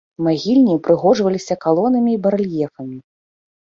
Магільні упрыгожваліся калонамі і барэльефамі.